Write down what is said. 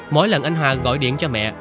mỗi lần anh hòa gọi điện cho mẹ